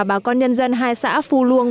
bà con nhân dân hai xã phu luông